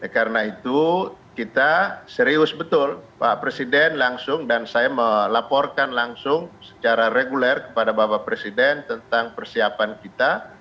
karena itu kita serius betul pak presiden langsung dan saya melaporkan langsung secara reguler kepada bapak presiden tentang persiapan kita